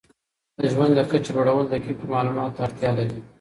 د ژوند د کچې لوړول دقیقو معلوماتو ته اړتیا لري.